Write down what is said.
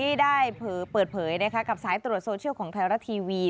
ได้เปิดเผยกับสายตรวจโซเชียลของไทยรัฐทีวี